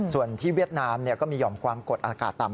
ส่วนที่เวียดนามก็มีห่อมความกดอากาศต่ำ